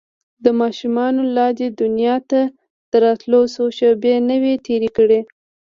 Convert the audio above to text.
دا ماشوم لا دې دنيا ته د راتلو څو شېبې نه وې تېرې کړې.